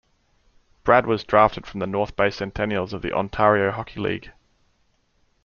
Brad was drafted from the North Bay Centennials of the Ontario Hockey League.